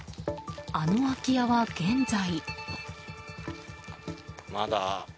あの空き家は現在。